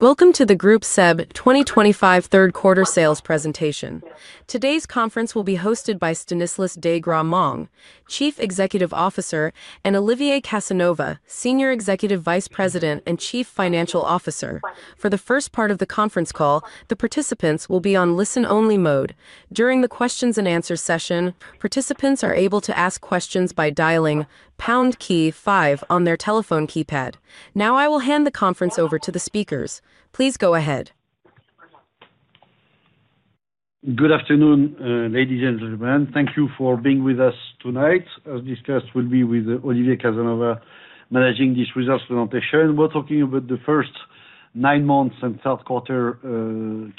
Welcome to the Groupe SEB 2025 third quarter sales presentation. Today's conference will be hosted by Stanislas de Gramont, Chief Executive Officer, and Olivier Casanova, Senior Executive Vice President and Chief Financial Officer. For the first part of the conference call, the participants will be on listen-only mode. During the questions and answers session, participants are able to ask questions by dialing pound key five on their telephone keypad. Now, I will hand the conference over to the speakers. Please go ahead. Good afternoon, ladies and gentlemen. Thank you for being with us tonight. As discussed, we'll be with Olivier Casanova managing this results presentation. We're talking about the first nine months and third quarter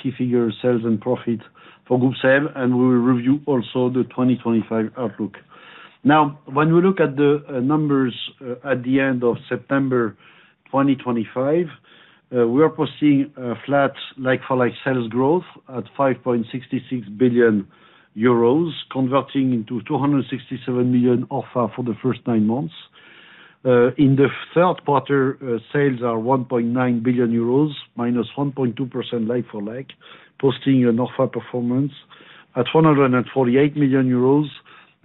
key figures, sales and profit for Groupe SEB, and we will review also the 2025 outlook. Now, when we look at the numbers at the end of September 2025, we are posting flat like-for-like sales growth at 5.66 billion euros, converting into 267 million ORFA for the first nine months. In the third quarter, sales are 1.9 billion euros, -1.2% like-for-like, posting an ORFA performance at 148 million euros,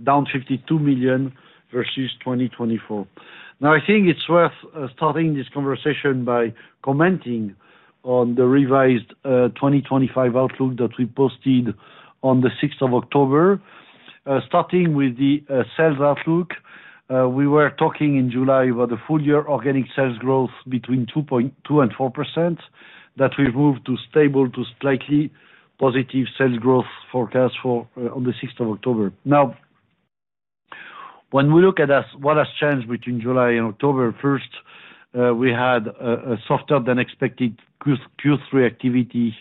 down 52 million versus 2024. I think it's worth starting this conversation by commenting on the revised 2025 outlook that we posted on the 6th of October. Starting with the sales outlook, we were talking in July about the full-year organic sales growth between 2.2% and 4% that we've moved to stable to slightly positive sales growth forecast on the 6th of October. When we look at what has changed between July and October, first, we had a softer than expected Q3 activity,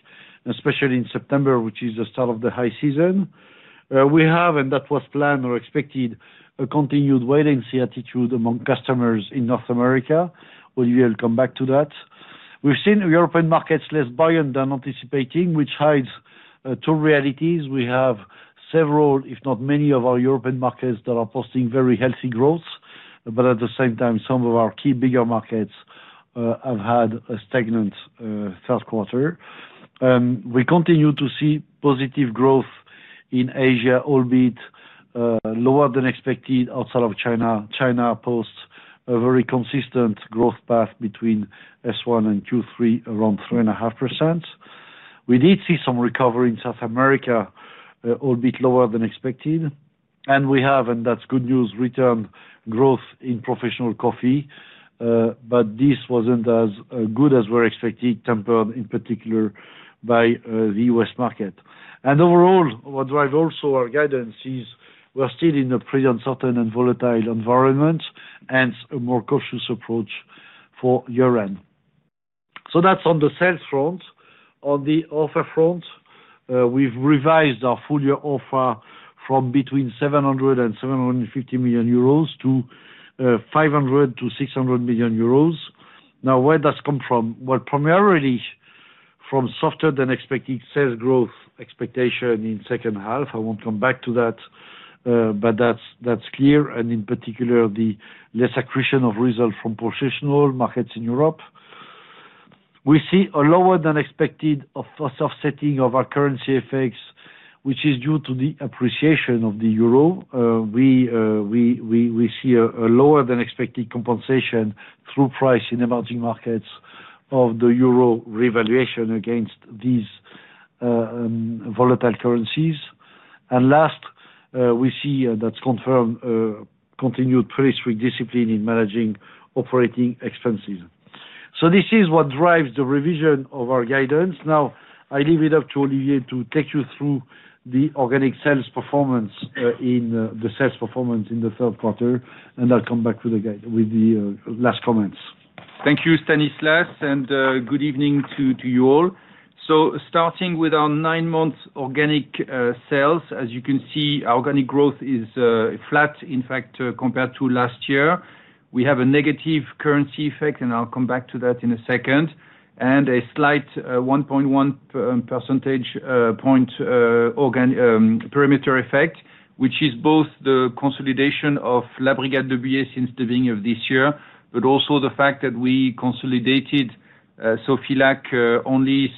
especially in September, which is the start of the high season. We have, and that was planned or expected, a continued wait-and-see attitude among customers in North America. Olivier will come back to that. We've seen European markets less buying than anticipating, which hides two realities. We have several, if not many, of our European markets that are posting very healthy growth, but at the same time, some of our key bigger markets have had a stagnant third quarter. We continue to see positive growth in Asia, albeit lower than expected outside of China. China posts a very consistent growth path between H1 and Q3, around 3.5%. We did see some recovery in South America, albeit lower than expected. We have, and that's good news, returned growth in professional coffee, but this wasn't as good as we expected, tempered in particular by the U.S. market. Overall, what drives also our guidance is we're still in a pretty uncertain and volatile environment, hence a more cautious approach for year-end. That's on the sales front. On the ORFA front, we've revised our full-year ORFA from between 700 million euros and 750 million euros to 500 million-600 million euros. Where does it come from? Primarily from softer than expected sales growth expectation in the second half. I won't come back to that, but that's clear, and in particular, the less accretion of results from positional markets in Europe. We see a lower than expected soft setting of our currency effects, which is due to the appreciation of the euro. We see a lower than expected compensation through price in emerging markets of the euro revaluation against these volatile currencies. Last, we see that's confirmed continued price prediscipline in managing operating expenses. This is what drives the revision of our guidance. Now, I leave it up to Olivier to take you through the organic sales performance in the sales performance in the third quarter, and I'll come back with the last comments. Thank you, Stanislas, and good evening to you all. Starting with our nine-month organic sales, as you can see, our organic growth is flat, in fact, compared to last year. We have a negative currency effect, and I'll come back to that in a second, and a slight 1.1% perimeter effect, which is both the consolidation of La Brigade de Buyer since the beginning of this year, but also the fact that we consolidated Sofilac only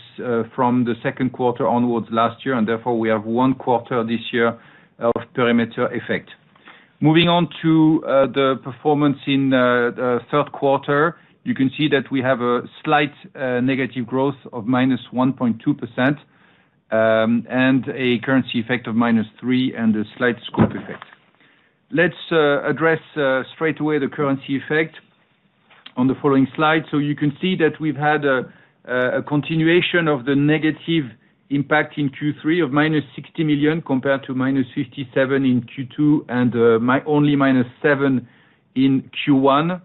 from the second quarter onwards last year, and therefore, we have one quarter this year of perimeter effect. Moving on to the performance in the third quarter, you can see that we have a slight negative growth of -1.2% and a currency effect of -3% and a slight scope effect. Let's address straight away the currency effect on the following slide. You can see that we've had a continuation of the negative impact in Q3 of -$60 million compared to -$57 million in Q2 and only -$7 million in Q1.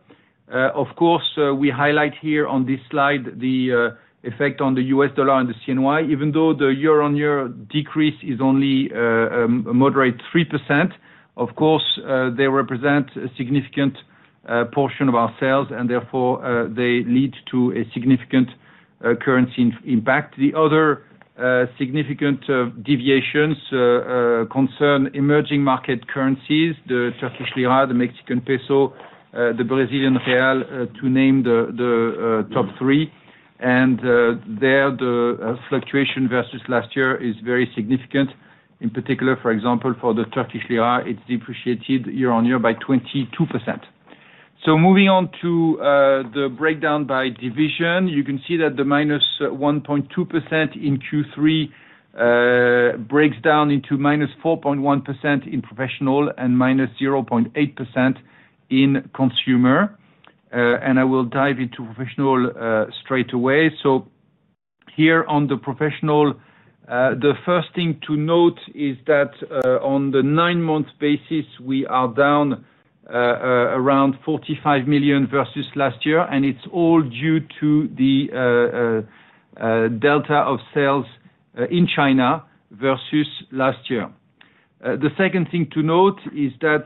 Of course, we highlight here on this slide the effect on the U.S. dollar and the CNY, even though the year-on-year decrease is only a moderate 3%. They represent a significant portion of our sales, and therefore, they lead to a significant currency impact. The other significant deviations concern emerging market currencies, the Turkish lira, the Mexican peso, the Brazilian real, to name the top three. There, the fluctuation versus last year is very significant. In particular, for example, for the Turkish lira, it's depreciated year-on-year by 22%. Moving on to the breakdown by division, you can see that the -1.2% in Q3 breaks down into -4.1% in professional and -0.8% in consumer. I will dive into professional straight away. Here on the professional, the first thing to note is that on the nine-month basis, we are down around $45 million versus last year, and it's all due to the delta of sales in China versus last year. The second thing to note is that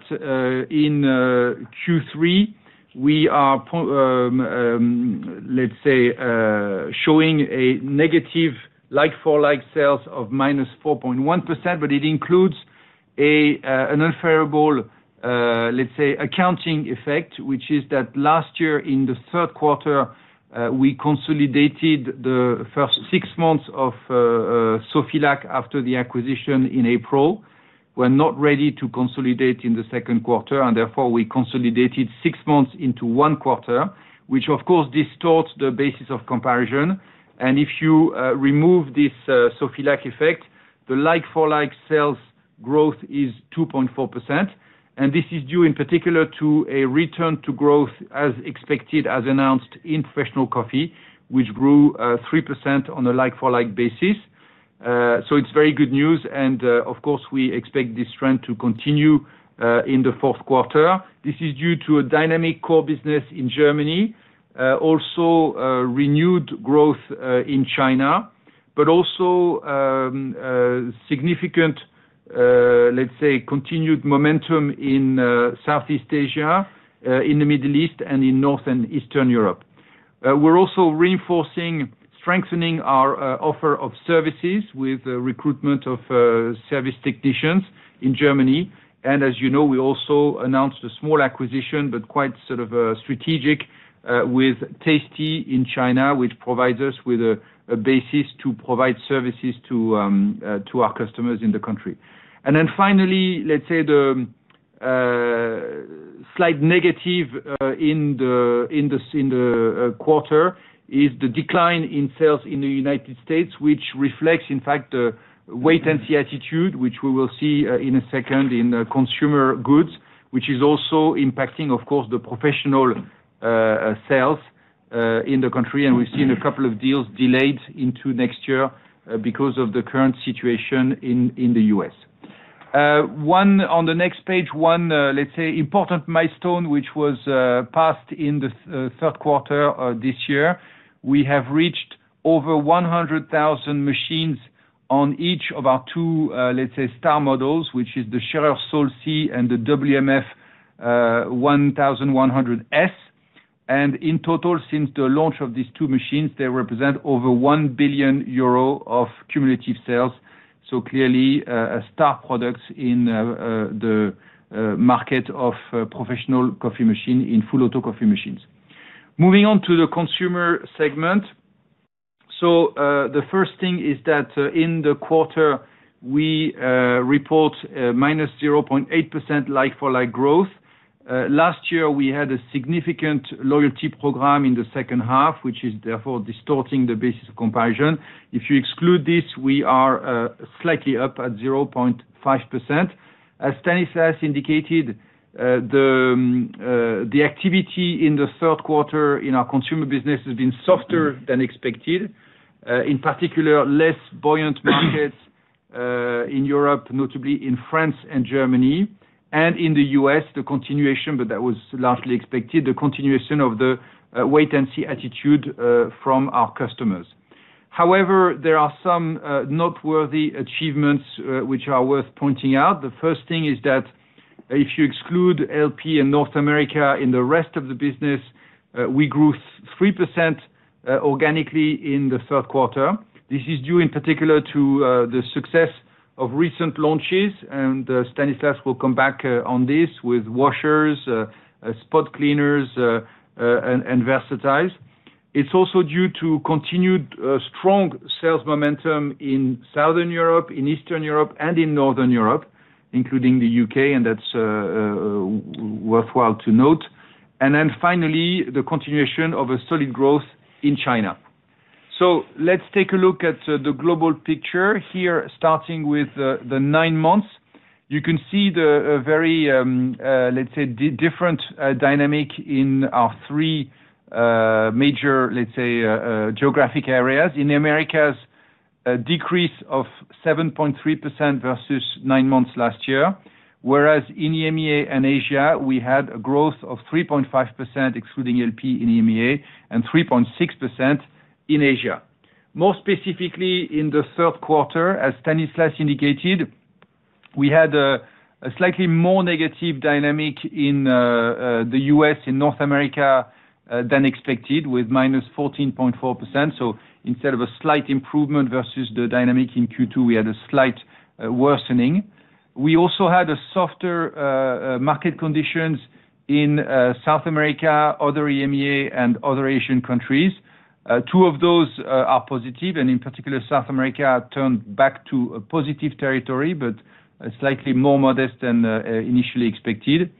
in Q3, we are, let's say, showing a negative like-for-like sales of -4.1%, but it includes an unfavorable, let's say, accounting effect, which is that last year in the third quarter, we consolidated the first six months of Sofilac after the acquisition in April. We were not ready to consolidate in the second quarter, and therefore, we consolidated six months into one quarter, which, of course, distorts the basis of comparison. If you remove this Sofilac effect, the like-for-like sales growth is 2.4%. This is due in particular to a return to growth as expected, as announced in professional coffee, which grew 3% on a like-for-like basis. It is very good news, and of course, we expect this trend to continue in the fourth quarter. This is due to a dynamic core business in Germany, also renewed growth in China, and significant, let's say, continued momentum in Southeast Asia, the Middle East, and in North and Eastern Europe. We are also reinforcing, strengthening our offer of services with the recruitment of service technicians in Germany. As you know, we also announced a small acquisition, but quite sort of strategic, with Tasty in China, which provides us with a basis to provide services to our customers in the country. Finally, let's say the slight negative in the quarter is the decline in sales in the United States, which reflects, in fact, the wait-and-see attitude, which we will see in a second in consumer goods, which is also impacting, of course, the professional sales in the country. We have seen a couple of deals delayed into next year because of the current situation in the U.S. One on the next page, one important milestone, which was passed in the third quarter this year, we have reached over 100,000 machines on each of our two star models, which is the Schaerer Sol C and the WMF 1100 S. In total, since the launch of these two machines, they represent over 1 billion euro of cumulative sales. Clearly, a star product in the market of professional coffee machine in full-auto coffee machines. Moving on to the consumer segment. The first thing is that in the quarter, we report -0.8% like-for-like growth. Last year, we had a significant loyalty program in the second half, which is therefore distorting the basis of comparison. If you exclude this, we are slightly up at 0.5%. As Stanislas indicated, the activity in the third quarter in our consumer business has been softer than expected. In particular, less buoyant markets in Europe, notably in France and Germany, and in the U.S., the continuation, but that was largely expected, the continuation of the wait-and-see attitude from our customers. However, there are some noteworthy achievements which are worth pointing out. The first thing is that if you exclude LP and North America, in the rest of the business, we grew 3% organically in the third quarter. This is due in particular to the success of recent launches, and Stanislas will come back on this with washers, spot cleaners, and versatiles. It is also due to continued strong sales momentum in Southern Europe, in Eastern Europe, and in Northern Europe, including the U.K., and that's worthwhile to note. Finally, the continuation of a solid growth in China. Let's take a look at the global picture here, starting with the nine months. You can see the very, let's say, different dynamic in our three major, let's say, geographic areas. In the Americas, a decrease of 7.3% versus nine months last year, whereas in EMEA and Asia, we had a growth of 3.5% excluding LP in EMEA and 3.6% in Asia. More specifically, in the third quarter, as Stanislas indicated, we had a slightly more negative dynamic in the U.S. and North America than expected, with -14.4%. Instead of a slight improvement versus the dynamic in Q2, we had a slight worsening. We also had softer market conditions in South America, other EMEA, and other Asian countries. Two of those are positive, and in particular, South America turned back to a positive territory, but slightly more modest than initially expected.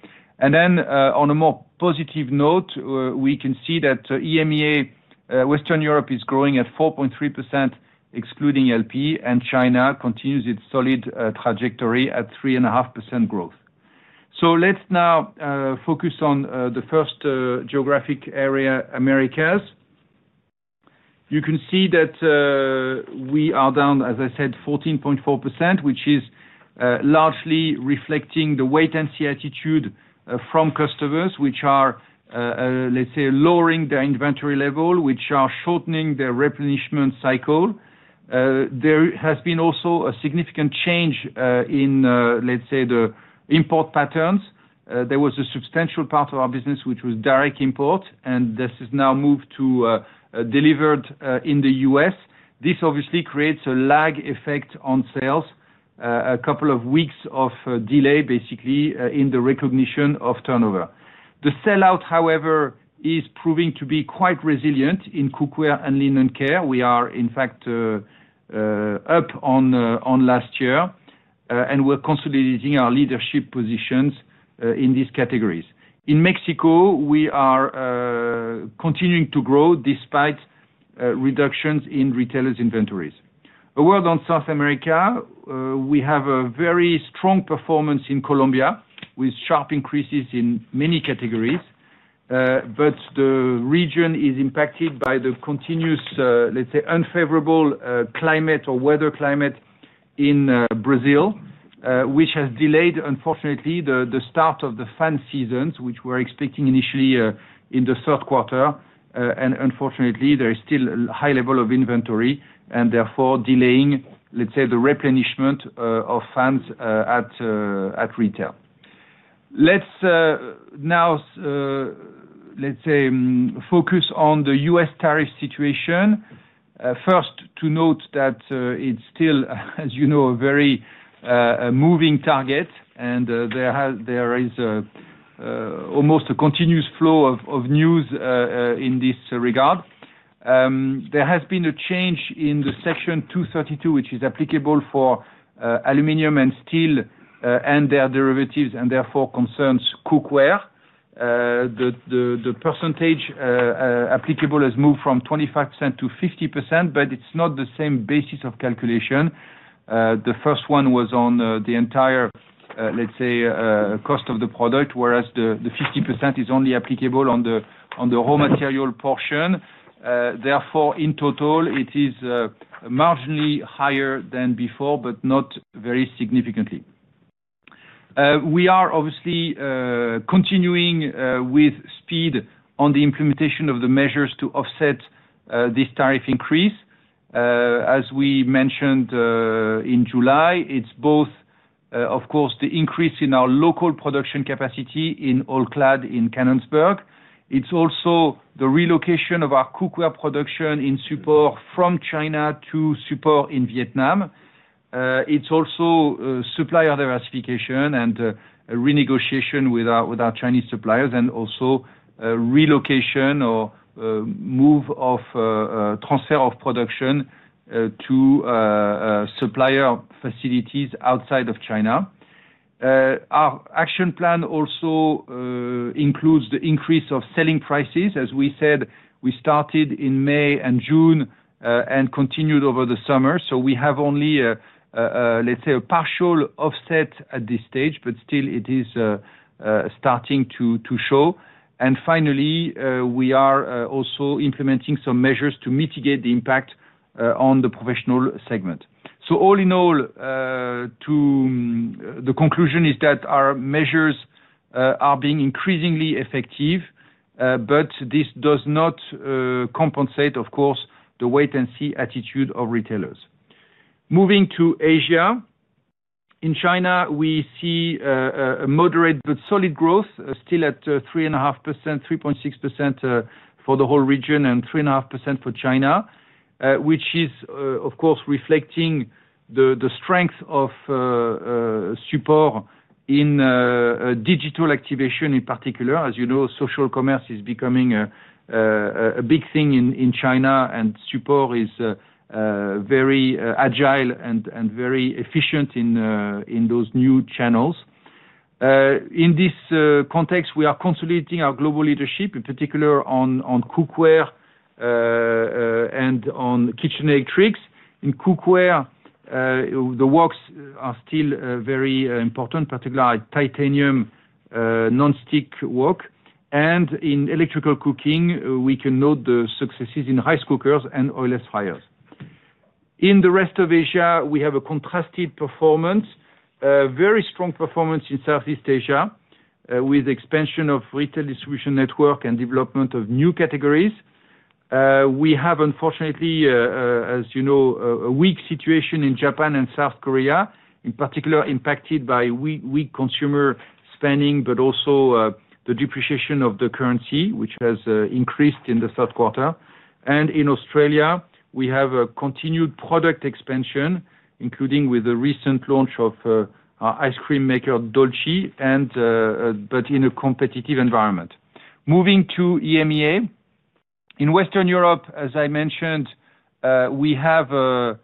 On a more positive note, we can see that EMEA, Western Europe is growing at 4.3% excluding LP, and China continues its solid trajectory at 3.5% growth. Let's now focus on the first geographic area, Americas. You can see that we are down, as I said, 14.4%, which is largely reflecting the wait-and-see attitude from customers, which are, let's say, lowering their inventory level, which are shortening their replenishment cycle. There has been also a significant change in, let's say, the import patterns. There was a substantial part of our business, which was direct import, and this has now moved to delivered in the U.S. This obviously creates a lag effect on sales, a couple of weeks of delay, basically, in the recognition of turnover. The sell-out, however, is proving to be quite resilient in Cookware and Linen Care. We are, in fact, up on last year, and we're consolidating our leadership positions in these categories. In Mexico, we are continuing to grow despite reductions in retailers' inventories. A word on South America, we have a very strong performance in Colombia, with sharp increases in many categories. The region is impacted by the continuous, let's say, unfavorable climate or weather climate in Brazil, which has delayed, unfortunately, the start of the fan seasons, which we were expecting initially in the third quarter. Unfortunately, there is still a high level of inventory, and therefore delaying, let's say, the replenishment of fans at retail. Let's now, let's say, focus on the U.S. tariff situation. First, to note that it's still, as you know, a very moving target, and there is almost a continuous flow of news in this regard. There has been a change in the Section 232, which is applicable for aluminum and steel and their derivatives, and therefore concerns cookware. The percentage applicable has moved from 25% to 50%, but it's not the same basis of calculation. The first one was on the entire, let's say, cost of the product, whereas the 50% is only applicable on the raw material portion. Therefore, in total, it is marginally higher than before, but not very significantly. We are obviously continuing with speed on the implementation of the measures to offset this tariff increase. As we mentioned in July, it's both, of course, the increase in our local production capacity in All-Clad in Canonsburg. It's also the relocation of our cookware production in support from China to support in Vietnam. It's also supplier diversification and renegotiation with our Chinese suppliers, and also relocation or move of transfer of production to supplier facilities outside of China. Our action plan also includes the increase of selling prices. As we said, we started in May and June and continued over the summer. We have only, let's say, a partial offset at this stage, but still it is starting to show. Finally, we are also implementing some measures to mitigate the impact on the professional segment. All in all, the conclusion is that our measures are being increasingly effective, but this does not compensate, of course, the wait-and-see attitude of retailers. Moving to Asia, in China, we see a moderate but solid growth, still at 3.5%, 3.6% for the whole region, and 3.5% for China, which is, of course, reflecting the strength of support in digital activation in particular. As you know, social commerce is becoming a big thing in China, and support is very agile and very efficient in those new channels. In this context, we are consolidating our global leadership, in particular on cookware and on kitchen electrics. In cookware, the woks are still very important, particularly titanium non-stick wok. In electrical cooking, we can note the successes in rice cookers and oil-less fryers. In the rest of Asia, we have a contrasted performance, a very strong performance in Southeast Asia, with the expansion of retail distribution network and development of new categories. We have, unfortunately, as you know, a weak situation in Japan and South Korea, in particular impacted by weak consumer spending, but also the depreciation of the currency, which has increased in the third quarter. In Australia, we have a continued product expansion, including with the recent launch of our ice cream maker, Dolce, but in a competitive environment. Moving to EMEA, in Western Europe, as I mentioned, we have a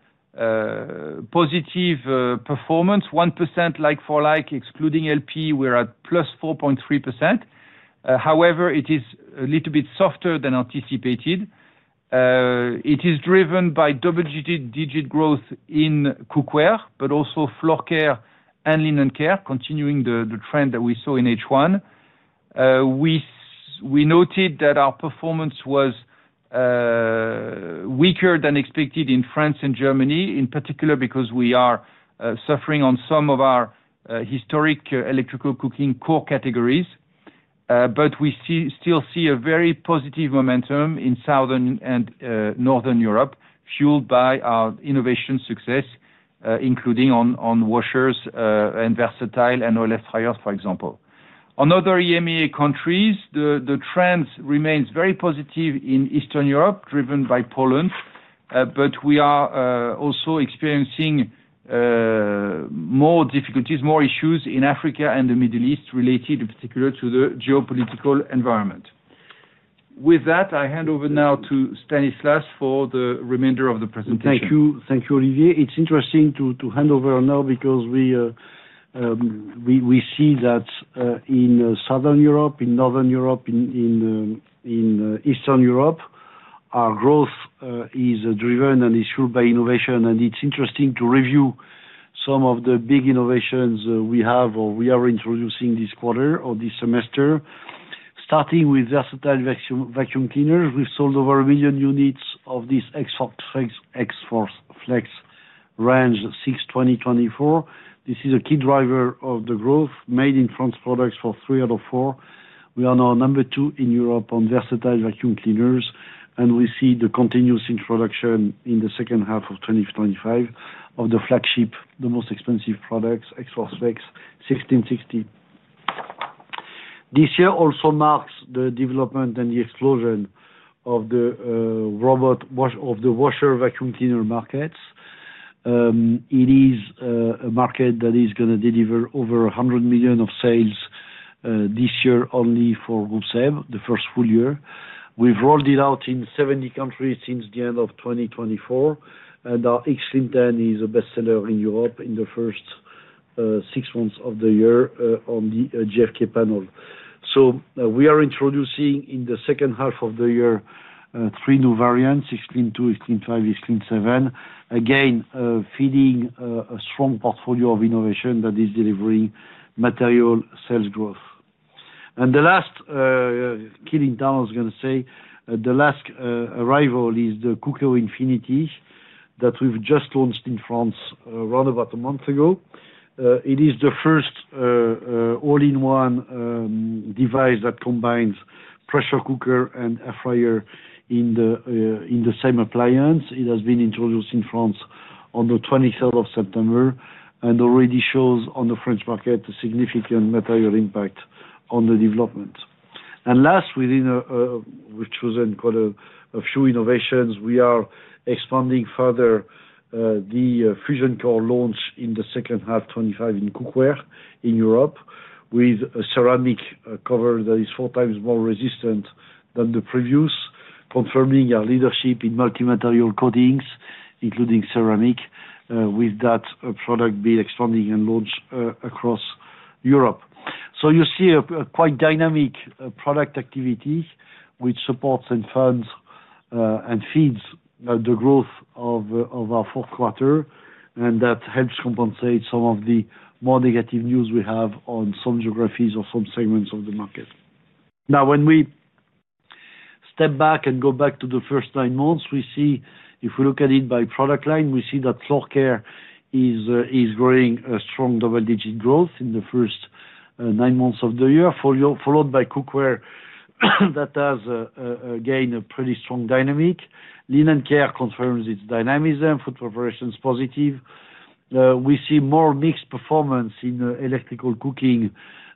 positive performance, 1% like-for-like, excluding LP. We're at +4.3%. However, it is a little bit softer than anticipated. It is driven by double-digit growth in cookware, but also floor care and linen care, continuing the trend that we saw in H1. We noted that our performance was weaker than expected in France and Germany, in particular because we are suffering on some of our historic electrical cooking core categories. We still see a very positive momentum in Southern and Northern Europe, fueled by our innovation success, including on washers and versatile and oil-less fryers, for example. On other EMEA countries, the trend remains very positive in Eastern Europe, driven by Poland, but we are also experiencing more difficulties, more issues in Africa and the Middle East related in particular to the geopolitical environment. With that, I hand over now to Stanislas for the remainder of the presentation. Thank you, Olivier. It's interesting to hand over now because we see that in Southern Europe, in Northern Europe, in Eastern Europe, our growth is driven and is fueled by innovation. It's interesting to review some of the big innovations we have or we are introducing this quarter or this semester, starting with versatile vacuum cleaners. We've sold over a million units of this X-Force Flex range since 2024. This is a key driver of the growth, made in France products for three out of four. We are now number two in Europe on versatile vacuum cleaners, and we see the continuous introduction in the second half of 2025 of the flagship, the most expensive products, X-Force Flex 16.60. This year also marks the development and the explosion of the washer vacuum cleaner markets. It is a market that is going to deliver over $100 million of sales this year only for Rowenta, the first full year. We've rolled it out in 70 countries since the end of 2024, and our X-Clean 10 is a bestseller in Europe in the first six months of the year on the GFK panel. We are introducing in the second half of the year three new variants: X-Clean 2, X-Clean 5, X-Clean 7, again feeding a strong portfolio of innovation that is delivering material sales growth. The last, I was going to say, the last arrival is the Cooker Infinity that we've just launched in France around about a month ago. It is the first all-in-one device that combines pressure cooker and air fryer in the same appliance. It has been introduced in France on the 23rd of September and already shows on the French market a significant material impact on the development. We've chosen quite a few innovations. We are expanding further the Fusion Core launch in the second half, 2025 in cookware in Europe, with a ceramic cover that is four times more resistant than the previous, confirming our leadership in multi-material coatings, including ceramic, with that product being expanding and launched across Europe. You see a quite dynamic product activity, which supports and funds and feeds the growth of our fourth quarter, and that helps compensate some of the more negative news we have on some geographies or some segments of the market. Now, when we step back and go back to the first nine months, we see, if we look at it by product line, we see that floor care is growing a strong double-digit growth in the first nine months of the year, followed by cookware that has gained a pretty strong dynamic. Linen Care confirms its dynamism, food preparation is positive. We see more mixed performance in electrical cooking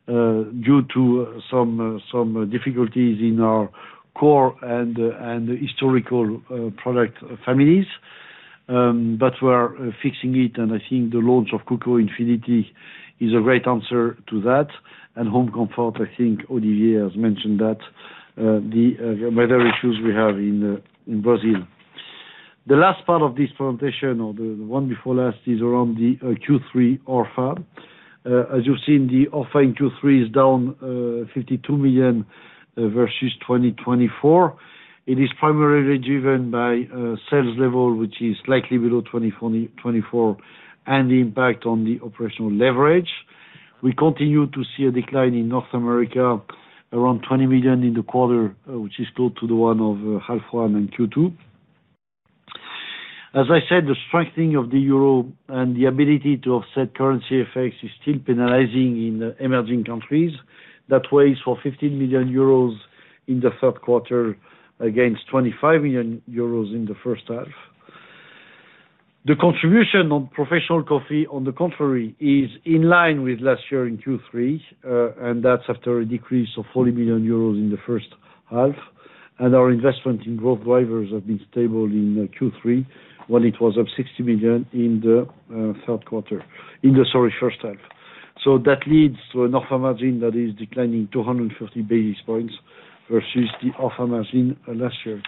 due to some difficulties in our core and historical product families, but we're fixing it. I think the launch of Cooker Infinity is a great answer to that. Home comfort, I think Olivier has mentioned that, the weather issues we have in Brazil. The last part of this presentation, or the one before last, is around the Q3 ORFA. As you've seen, the ORFA in Q3 is down $52 million versus 2024. It is primarily driven by sales level, which is slightly below 2024, and the impact on the operational leverage. We continue to see a decline in North America, around $20 million in the quarter, which is close to the one of half one and Q2. As I said, the strengthening of the euro and the ability to offset currency effects is still penalizing in emerging countries. That weighs for 15 million euros in the third quarter against 25 million euros in the first half. The contribution on professional coffee, on the contrary, is in line with last year in Q3, and that's after a decrease of 40 million euros in the first half. Our investment in growth drivers has been stable in Q3 when it was up 60 million in the first half. That leads to an ORFA margin that is declining 250 basis points versus the ORFA margin last year.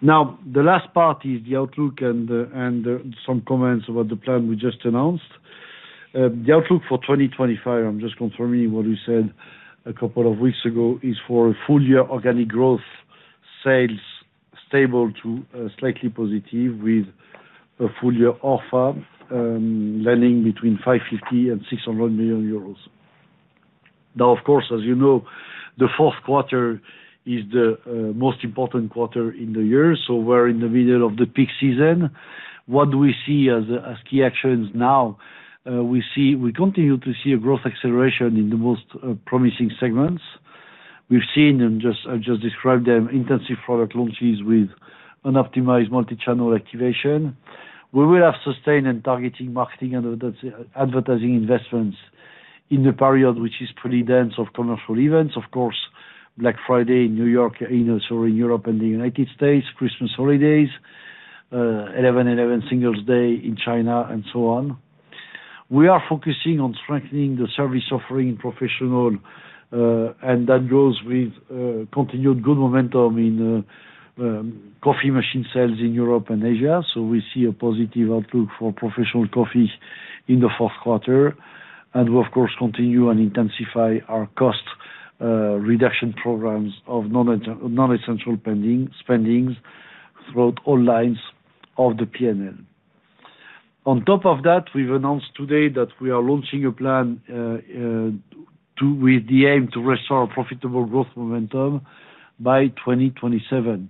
Now, the last part is the outlook and some comments about the plan we just announced. The outlook for 2025, I'm just confirming what we said a couple of weeks ago, is for a full-year organic growth, sales stable to slightly positive with a full-year ORFA landing between 550 million and 600 million euros. Of course, as you know, the fourth quarter is the most important quarter in the year. We're in the middle of the peak season. What do we see as key actions now? We continue to see a growth acceleration in the most promising segments. We've seen, and I just described them, intensive product launches with an optimized multi-channel activation. We will have sustained and targeted marketing and advertising investments in the period, which is pretty dense with commercial events, of course, Black Friday in Europe and the United States, Christmas holidays, 11/11 Singles Day in China, and so on. We are focusing on strengthening the service offering in professional, and that grows with continued good momentum in coffee machine sales in Europe and Asia. We see a positive outlook for professional coffee in the fourth quarter. We continue and intensify our cost reduction programs of non-essential spendings throughout all lines of the P&L. On top of that, we've announced today that we are launching a plan with the aim to restore our profitable growth momentum by 2027.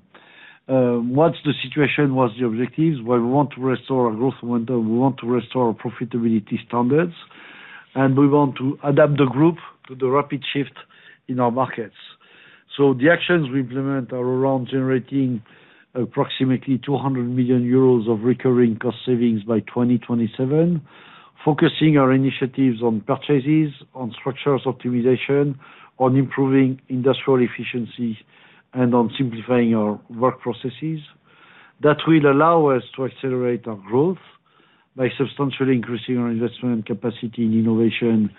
What's the situation? What's the objective? We want to restore our growth momentum. We want to restore our profitability standards. We want to adapt the group to the rapid shift in our markets. The actions we implement are around generating approximately 200 million euros of recurring cost savings by 2027, focusing our initiatives on purchases, on structural optimization, on improving industrial efficiency, and on simplifying our work processes. That will allow us to accelerate our growth by substantially increasing our investment and capacity in innovation,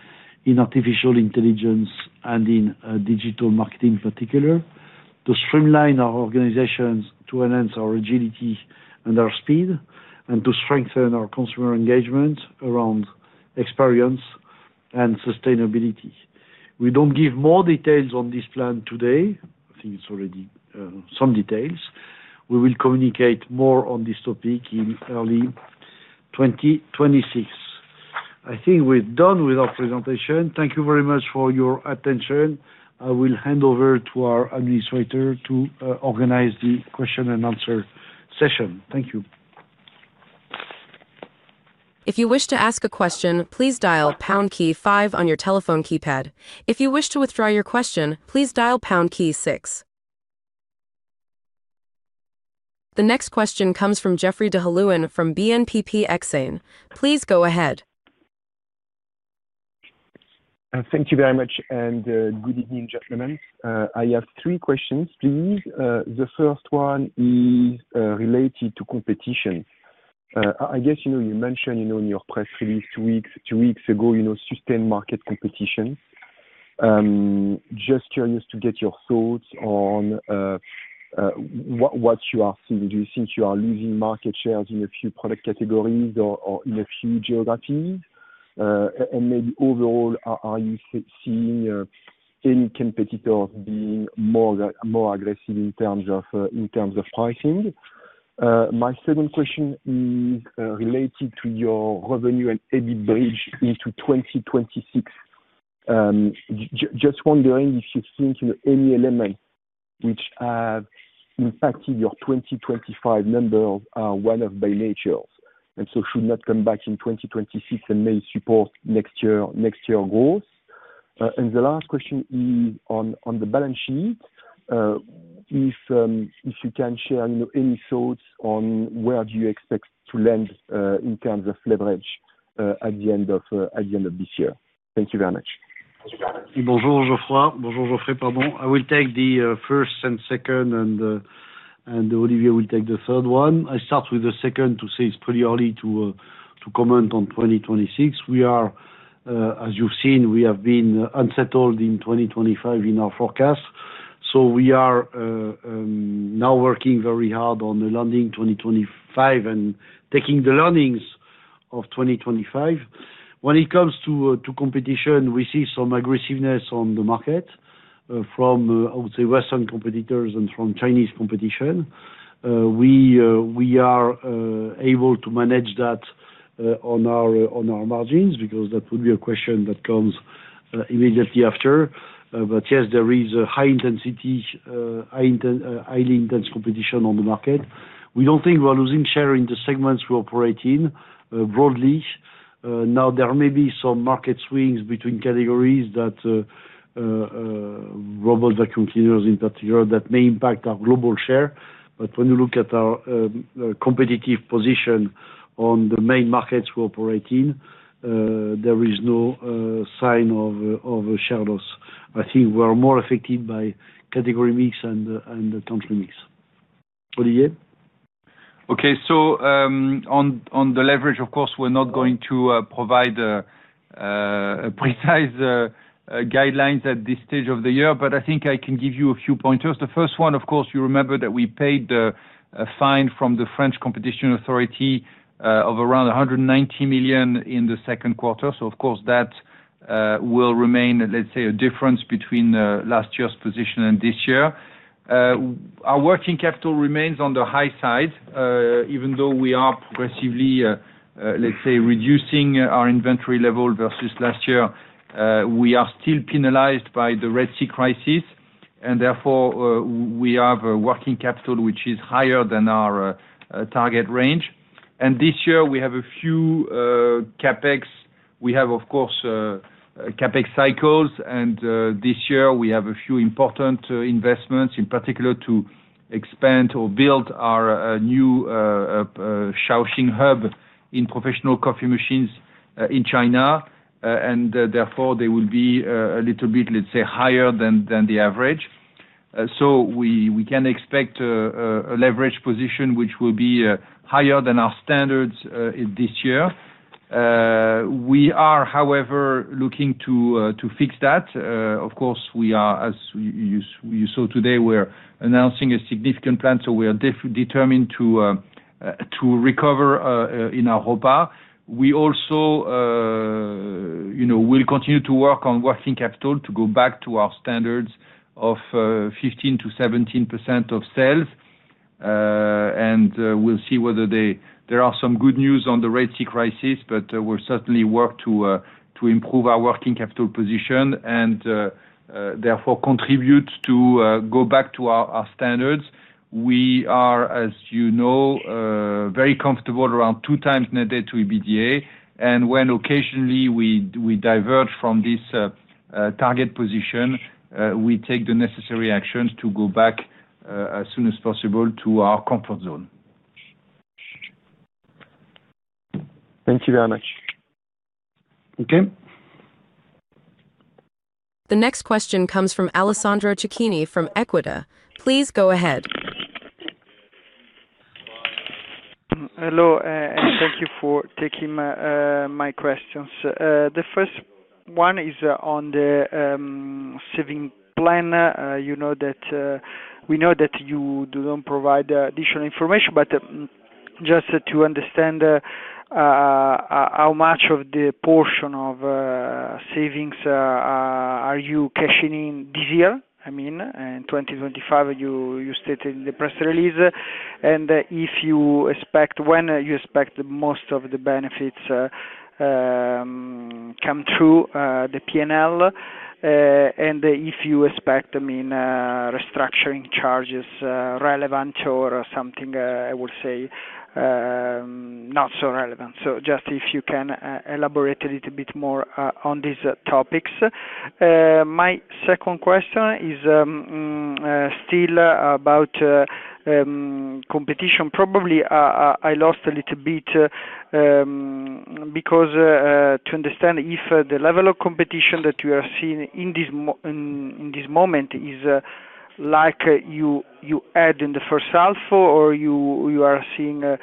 in artificial intelligence, and in digital marketing in particular, to streamline our organizations, to enhance our agility and our speed, and to strengthen our consumer engagement around experience and sustainability. We don't give more details on this plan today. I think it's already some details. We will communicate more on this topic in early 2026. I think we're done with our presentation. Thank you very much for your attention. I will hand over to our administrator to organize the question and answer session. Thank you. If you wish to ask a question, please dial pound key five on your telephone keypad. If you wish to withdraw your question, please dial pound key six. The next question comes from Geoffrey d'Halluin from BNPP Exane. Please go ahead. Thank you very much, and good evening, gentlemen. I have three questions, please. The first one is related to competition. I guess you mentioned in your press release two weeks ago, you know, sustained market competition. Just curious to get your thoughts on what you are seeing. Do you think you are losing market shares in a few product categories or in a few geographies? Maybe overall, are you seeing any competitors being more aggressive in terms of pricing? My second question is related to your revenue and EBITDA bridge into 2026. Just wondering if you think any elements which have impacted your 2025 numbers are one-off by nature and so should not come back in 2026 and may support next year's growth. The last question is on the balance sheet. If you can share any thoughts on where you expect to land in terms of leverage at the end of this year. Thank you very much. Bonjour Geoffroy. Bonjour Geoffrey, pardon. I will take the first and second, and Olivier will take the third one. I start with the second to say it's pretty early to comment on 2026. We are, as you've seen, we have been unsettled in 2025 in our forecast. We are now working very hard on landing 2025 and taking the learnings of 2025. When it comes to competition, we see some aggressiveness on the market from, I would say, Western competitors and from Chinese competition. We are able to manage that on our margins because that would be a question that comes immediately after. Yes, there is a high intensity, highly intense competition on the market. We don't think we're losing share in the segments we operate in broadly. There may be some market swings between categories, that robot vacuum cleaners in particular, that may impact our global share. When you look at our competitive position on the main markets we operate in, there is no sign of a share loss. I think we're more affected by category mix and the country mix. Olivier? Okay. On the leverage, of course, we're not going to provide precise guidelines at this stage of the year, but I think I can give you a few pointers. The first one, of course, you remember that we paid the fine from the French competition authority of around 190 million in the second quarter. That will remain, let's say, a difference between last year's position and this year. Our working capital remains on the high side. Even though we are progressively, let's say, reducing our inventory level versus last year, we are still penalized by the Red Sea crisis. Therefore, we have a working capital which is higher than our target range. This year, we have a few CapEx. We have, of course, CapEx cycles. This year, we have a few important investments, in particular to expand or build our new Shaoxing hub in professional coffee machines in China. Therefore, they will be a little bit, let's say, higher than the average. We can expect a leverage position which will be higher than our standards this year. We are, however, looking to fix that. As you saw today, we're announcing a significant plan. We are determined to recover in our ORFA. We also will continue to work on working capital to go back to our standards of 15%-17% of sales. We will see whether there are some good news on the Red Sea crisis, but we will certainly work to improve our working capital position and therefore contribute to go back to our standards. We are, as you know, very comfortable around two times net debt to EBITDA. When occasionally we diverge from this target position, we take the necessary actions to go back as soon as possible to our comfort zone. Thank you very much. Okay. The next question comes from Alessandro Cecchini from EQUITA. Please go ahead. Hello, and thank you for taking my questions. The first one is on the saving plan. You know that we know that you don't provide additional information, but just to understand how much of the portion of savings are you cashing in this year? I mean, in 2025, you stated in the press release. If you expect, when you expect the most of the benefits come through the P&L, and if you expect, I mean, restructuring charges relevant or something, I will say, not so relevant. Just if you can elaborate a little bit more on these topics. My second question is still about competition. Probably I lost a little bit because to understand if the level of competition that we are seeing in this moment is like you had in the first half or you are seeing a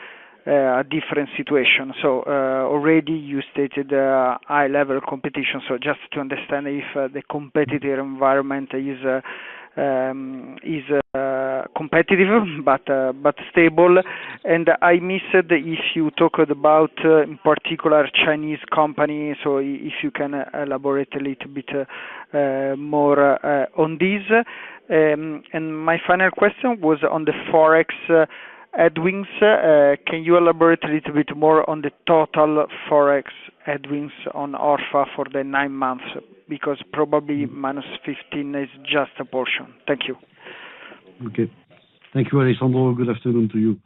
different situation. You already stated high-level competition. Just to understand if the competitive environment is competitive but stable. I missed if you talked about in particular Chinese companies. If you can elaborate a little bit more on this. My final question was on the Forex earnings. Can you elaborate a little bit more on the total Forex earnings on ORFA for the nine months? Because probably -15% is just a portion. Thank you. Okay. Thank you, Alessandro. Good afternoon to you.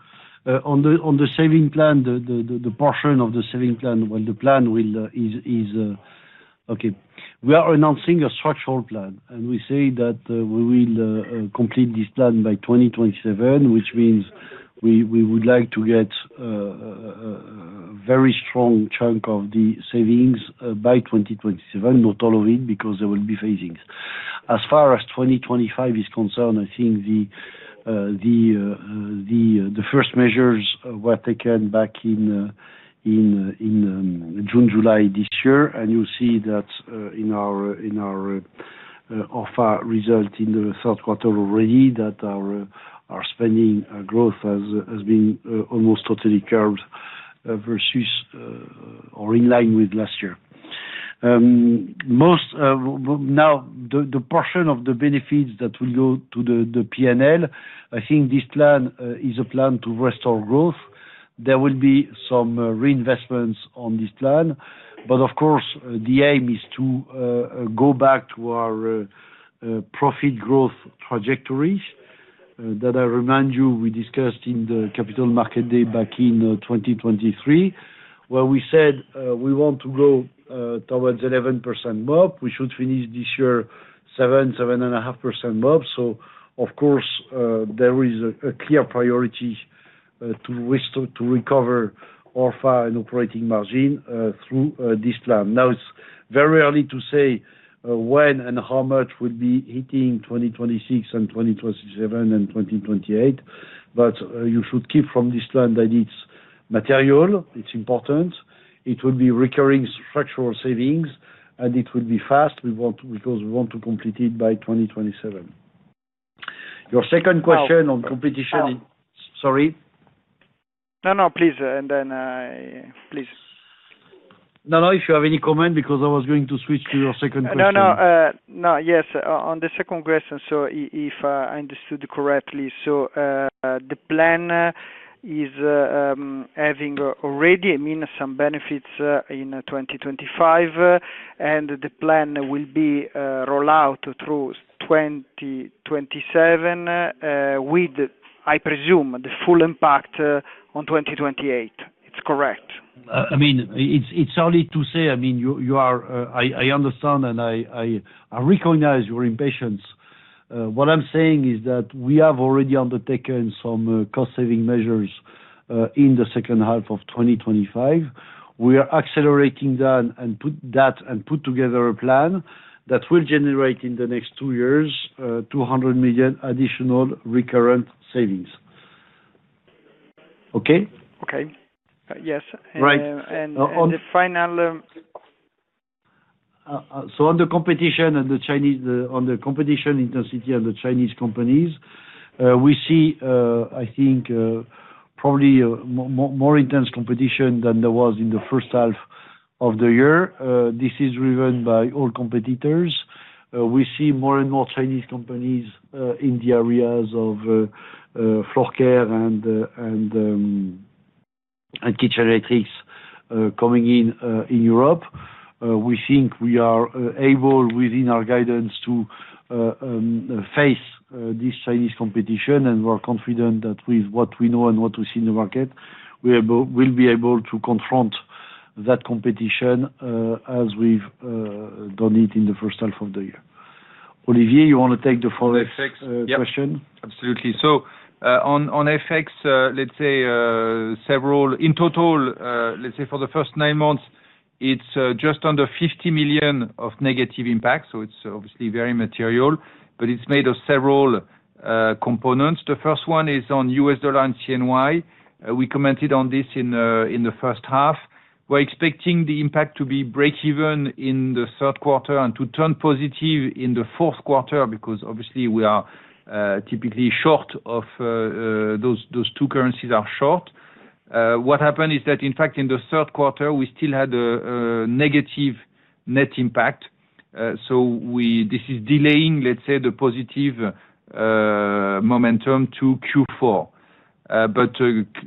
On the saving plan, the portion of the saving plan, the plan is okay. We are announcing a structural plan, and we say that we will complete this plan by 2027, which means we would like to get a very strong chunk of the savings by 2027, not all of it, because there will be phasings. As far as 2025 is concerned, I think the first measures were taken back in June, July this year. You'll see that in our ORFA result in the third quarter already that our spending growth has been almost totally curved versus or in line with last year. Now, the portion of the benefits that will go to the P&L, I think this plan is a plan to restore growth. There will be some reinvestments on this plan. Of course, the aim is to go back to our profit growth trajectories that I remind you we discussed in the Capital Market Day back in 2023, where we said we want to go towards 11% MOP. We should finish this year 7%, 7.5% MOP. Of course, there is a clear priority to recover ORFA and operating margin through this plan. Now, it's very early to say when and how much will be hitting 2026 and 2027 and 2028. You should keep from this plan that it's material, it's important. It will be recurring structural savings, and it will be fast because we want to complete it by 2027. Your second question on competition in, sorry. No, please. Please. No, if you have any comment because I was going to switch to your second question. No, yes, on the second question. If I understood correctly, the plan is having already, I mean, some benefits in 2025. The plan will be rolled out through 2027 with, I presume, the full impact on 2028. It's correct? I mean, it's only to say, I mean, you are, I understand, and I recognize your impatience. What I'm saying is that we have already undertaken some cost-saving measures in the second half of 2025. We are accelerating that and put together a plan that will generate in the next two years $200 million additional recurrent savings. Okay? Okay. Yes. Right. The final. On the competition intensity and the Chinese companies, we see, I think, probably more intense competition than there was in the first half of the year. This is driven by all competitors. We see more and more Chinese companies in the areas of floor care and kitchen electrics coming in in Europe. We think we are able, within our guidance, to face this Chinese competition. We're confident that with what we know and what we see in the market, we will be able to confront that competition as we've done it in the first half of the year. Olivier, you want to take the Forex question? Absolutely. On FX, in total, for the first nine months, it's just under $50 million of negative impacts. It's obviously very material, but it's made of several components. The first one is on U.S. dollar and CNY. We commented on this in the first half. We're expecting the impact to be break-even in the third quarter and to turn positive in the fourth quarter because we are typically short of those two currencies. What happened is that, in fact, in the third quarter, we still had a negative net impact. This is delaying the positive momentum to Q4.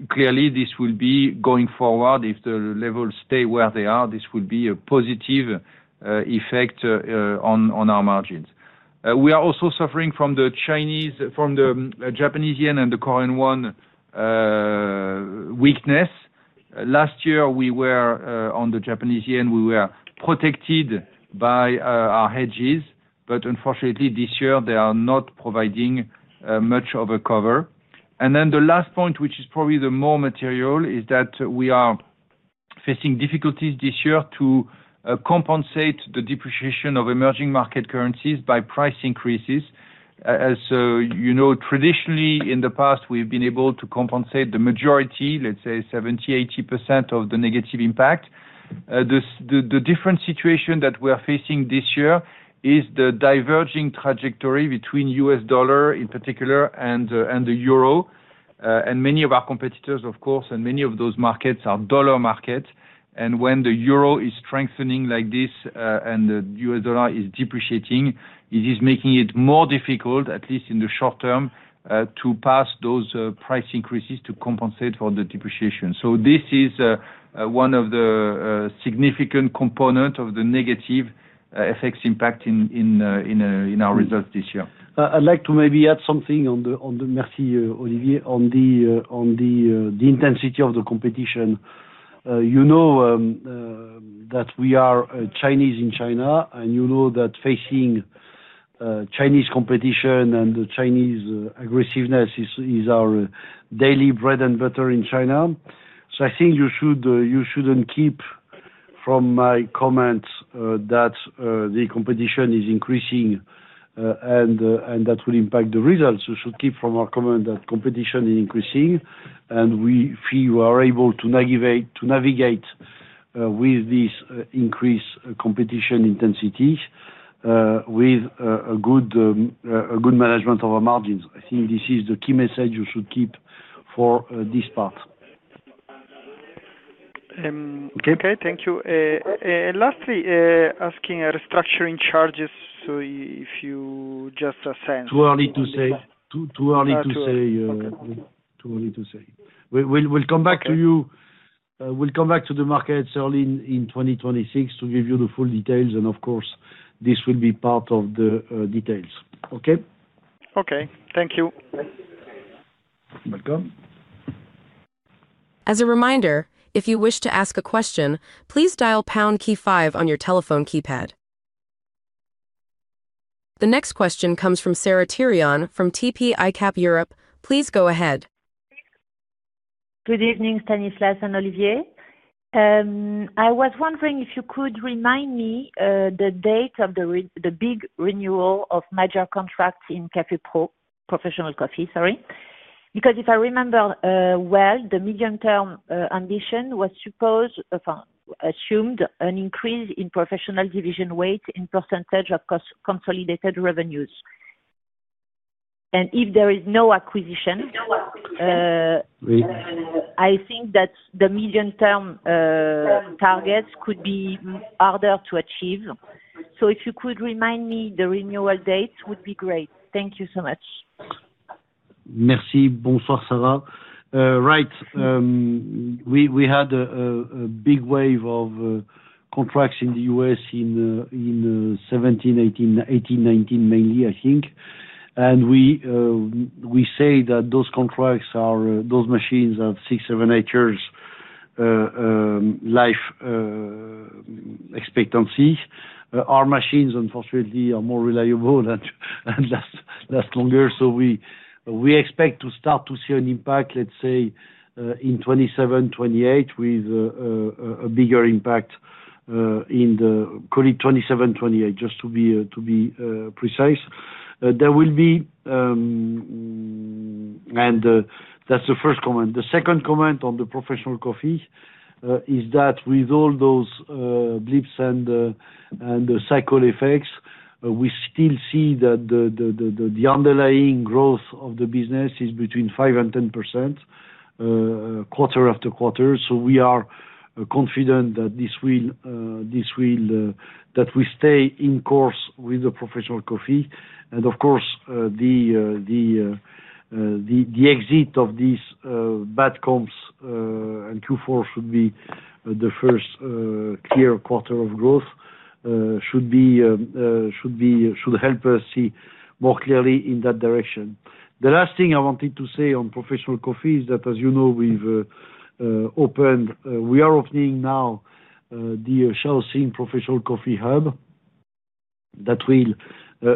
Clearly, this will be going forward. If the levels stay where they are, this will be a positive effect on our margins. We are also suffering from the Japanese yen and the Korean won weakness. Last year, on the Japanese yen, we were protected by our hedges. Unfortunately, this year, they are not providing much of a cover. The last point, which is probably the more material, is that we are facing difficulties this year to compensate the depreciation of emerging market currencies by price increases. As you know, traditionally in the past, we've been able to compensate the majority, let's say 70%, 80% of the negative impact. The different situation that we're facing this year is the diverging trajectory between U.S. dollar in particular and the euro. Many of our competitors, of course, and many of those markets are dollar markets. When the euro is strengthening like this and the U.S. dollar is depreciating, it is making it more difficult, at least in the short term, to pass those price increases to compensate for the depreciation. This is one of the significant components of the negative FX impact in our results this year. I'd like to maybe add something on the, merci Olivier, on the intensity of the competition. You know that we are Chinese in China, and you know that facing Chinese competition and the Chinese aggressiveness is our daily bread and butter in China. I think you shouldn't keep from my comment that the competition is increasing and that will impact the results. You should keep from our comment that competition is increasing and we feel we are able to navigate with this increased competition intensity with a good management of our margins. I think this is the key message you should keep for this part. Thank you. Lastly, asking a restructuring charges, if you just assess. Too early to say. Sorry, sorry. We'll come back to you. We'll come back to the markets early in 2026 to give you the full details. This will be part of the details. Okay? Okay, thank you. Welcome. As a reminder, if you wish to ask a question, please dial the pound key five on your telephone keypad. The next question comes from Sarah Thirion from TP ICAP Europe. Please go ahead. Good evening, Stanislas and Olivier. I was wondering if you could remind me the date of the big renewal of major contracts in Professional Coffee, sorry. Because if I remember well, the medium-term ambition was supposed for assumed an increase in Professional division weight in percentage of consolidated revenues. If there is no acquisition, I think that the medium-term targets could be harder to achieve. If you could remind me the renewal date, it would be great. Thank you so much. Merci. Bonsoir, Sarah. Right. We had a big wave of contracts in the U.S. in 2017, 2018, 2019 mainly, I think. We say that those contracts are, those machines have six, seven-eight years life expectancy. Our machines, unfortunately, are more reliable and last longer. We expect to start to see an impact, let's say, in 2027, 2028 with a bigger impact in the, call it 2027, 2028, just to be precise. That will be, and that's the first comment. The second comment on the Professional Coffee is that with all those blips and cycle effects, we still see that the underlying growth of the business is between 5% and 10% quarter after quarter. We are confident that this will, that we stay in course with the Professional Coffee. Of course, the exit of these bad comps and Q4 should be the first clear quarter of growth and should help us see more clearly in that direction. The last thing I wanted to say on Professional Coffee is that, as you know, we've opened, we are opening now the Shaoxing Professional Coffee Hub that will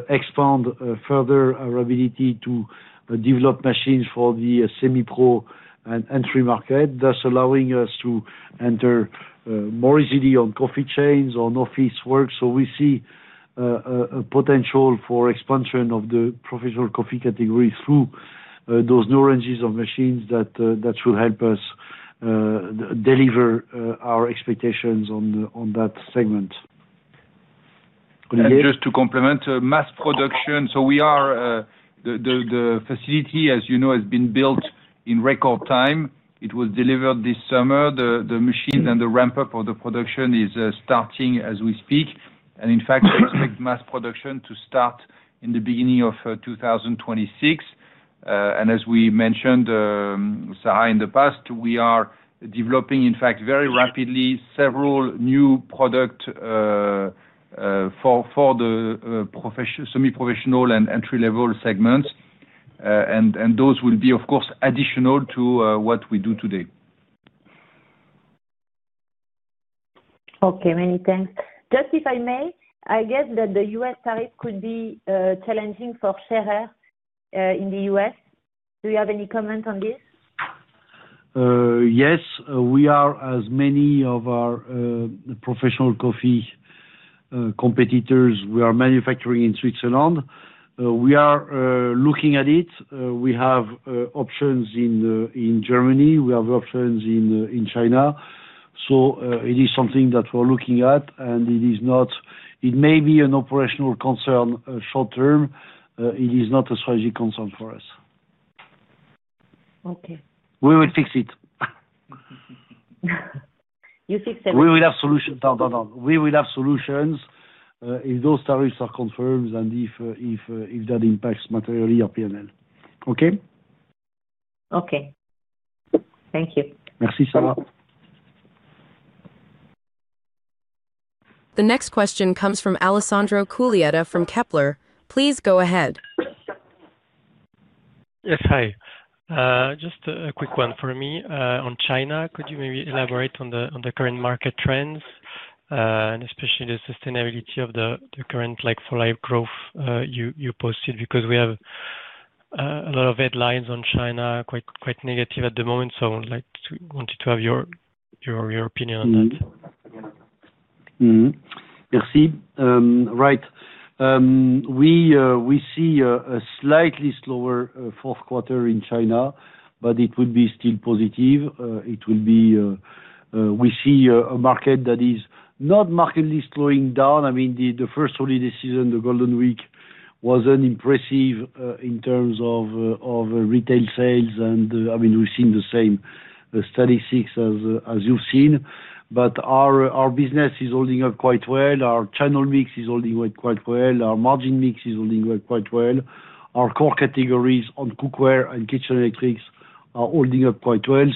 expand further our ability to develop machines for the semi-pro and entry market. That's allowing us to enter more easily on coffee chains, on office work. We see a potential for expansion of the Professional Coffee category through those new ranges of machines that should help us deliver our expectations on that segment. Olivier? Just to complement, mass production. We are, the facility, as you know, has been built in record time. It was delivered this summer. The machines and the ramp-up of the production is starting as we speak. In fact, we expect mass production to start in the beginning of 2026. As we mentioned, Sarah, in the past, we are developing, in fact, very rapidly several new products for the semi-professional and entry-level segments. Those will be, of course, additional to what we do today. Okay. Many thanks. Just if I may, I guess that the U.S. tariff could be challenging for Schaerer in the U.S. Do you have any comment on this? Yes. We are, as many of our Professional Coffee competitors, manufacturing in Switzerland. We are looking at it. We have options in Germany and options in China. It is something that we're looking at, and it may be an operational concern short term. It is not a strategic concern for us. Okay. We will fix it. You fix it. We will have solutions if those tariffs are confirmed and if that impacts materially our P&L. Okay? Okay. Thank you. Merci, Sarah. The next question comes from Alessandro Cuglietta from Kepler. Please go ahead. Yes, hi. Just a quick one for me. On China, could you maybe elaborate on the current market trends, especially the sustainability of the current like-for-like sales growth you posted? We have a lot of headlines on China, quite negative at the moment. I wanted to have your opinion on that. Merci. Right. We see a slightly slower fourth quarter in China, but it would be still positive. We see a market that is not markedly slowing down. I mean, the first holiday season, the golden week, wasn't impressive in terms of retail sales. I mean, we've seen the same statistics as you've seen. Our business is holding up quite well. Our channel mix is holding up quite well. Our margin mix is holding up quite well. Our core categories on cookware and kitchen electrics are holding up quite well.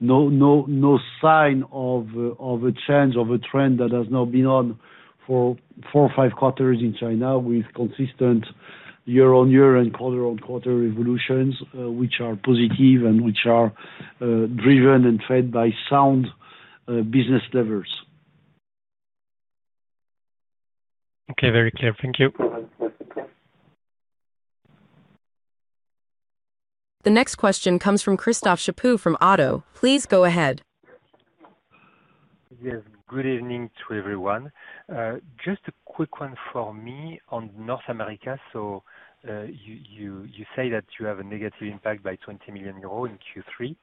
No sign of a change of a trend that has now been on for four or five quarters in China with consistent year-on-year and quarter-on-quarter revolutions, which are positive and which are driven and fed by sound business levels. Okay, very clear. Thank you. The next question comes from Christophe Chaput from Oddo. Please go ahead. Yes, good evening to everyone. Just a quick one for me on North America. You say that you have a negative impact by 20 million euro in Q3,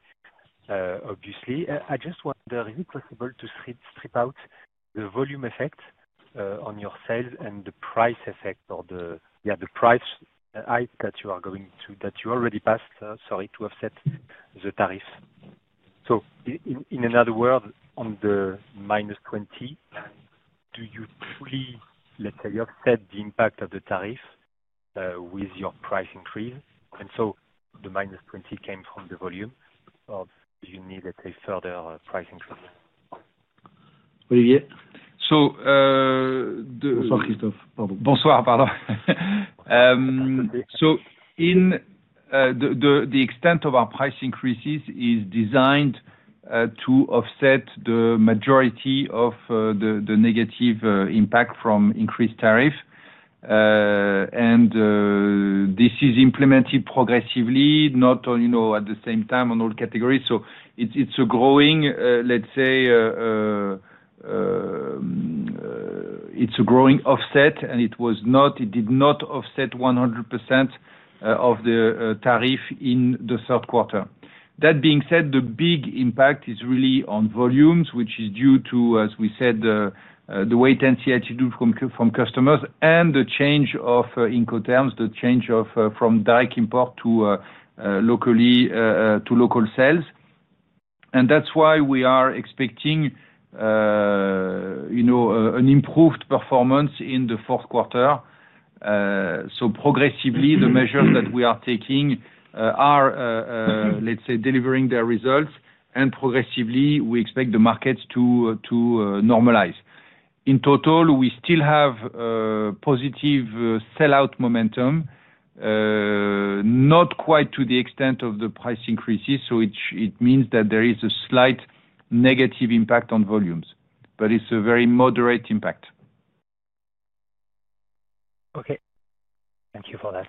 obviously. I just wonder, is it possible to strip out the volume effect on your sales and the price effect or the price hike that you are going to, that you already passed, to offset the tariff? In another word, on the -20 million, do you fully offset the impact of the tariff with your price increase? Does the -20 million come from the volume or do you need further price increases? Olivier? Bonsoir, pardon. The extent of our price increases is designed to offset the majority of the negative impact from increased tariff. This is implemented progressively, not only at the same time on all categories. It is a growing offset, and it did not offset 100% of the tariff in the third quarter. That being said, the big impact is really on volumes, which is due to, as we said, the wait-and-see attitude from customers and the change of income terms, the change from direct import to local sales. That is why we are expecting an improved performance in the fourth quarter. Progressively, the measures that we are taking are delivering their results. Progressively, we expect the markets to normalize. In total, we still have positive sellout momentum, not quite to the extent of the price increases. It means that there is a slight negative impact on volumes, but it is a very moderate impact. Okay, thank you for that.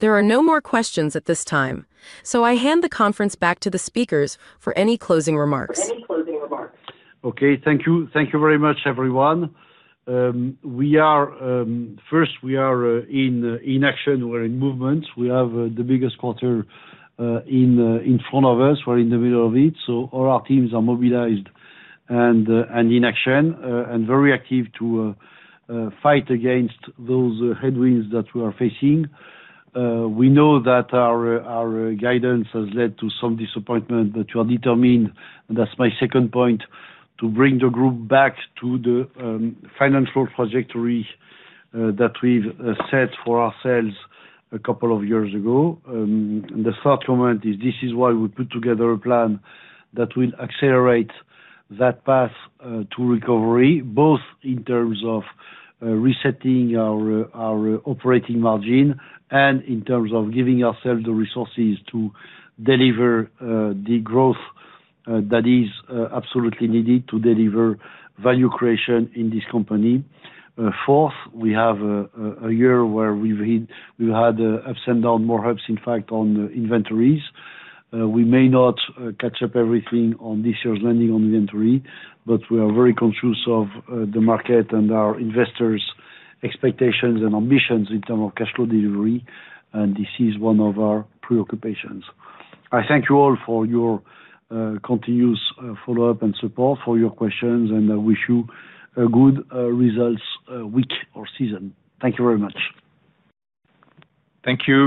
There are no more questions at this time. I hand the conference back to the speakers for any closing remarks. Okay. Thank you. Thank you very much, everyone. First, we are in action. We're in movement. We have the biggest quarter in front of us. We're in the middle of it. All our teams are mobilized and in action and very active to fight against those headwinds that we are facing. We know that our guidance has led to some disappointment, but we are determined, and that's my second point, to bring the group back to the financial trajectory that we've set for ourselves a couple of years ago. The third comment is this is why we put together a plan that will accelerate that path to recovery, both in terms of resetting our operating margin and in terms of giving ourselves the resources to deliver the growth that is absolutely needed to deliver value creation in this company. Fourth, we have a year where we've had ups and downs, more ups, in fact, on inventories. We may not catch up everything on this year's landing on inventory, but we are very conscious of the market and our investors' expectations and ambitions in terms of cash flow delivery. This is one of our preoccupations. I thank you all for your continuous follow-up and support for your questions, and I wish you a good results week or season. Thank you very much. Thank you.